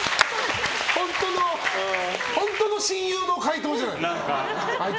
本当の親友の回答じゃない。